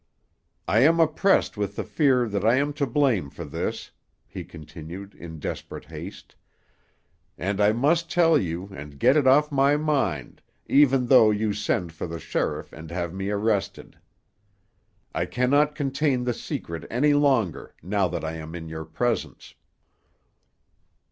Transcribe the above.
"I am oppressed with the fear that I am to blame for this," he continued, in desperate haste, "and I must tell you, and get it off my mind, even though you send for the sheriff and have me arrested; I cannot contain the secret any longer, now that I am in your presence."